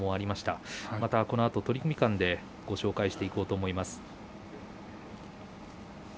また、このあと取組間でご紹介していこうと思います。